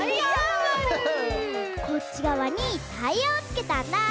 こっちがわにタイヤをつけたんだ！